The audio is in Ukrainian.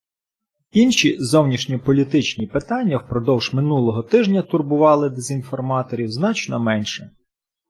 Інші зовнішньополітичні питання впродовж минулого тижня турбували дезінформаторів значно менше.